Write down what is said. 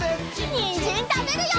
にんじんたべるよ！